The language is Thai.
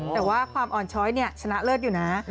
แต่ว่าความอ่อนช้อยชนะเลิศอยู่นะ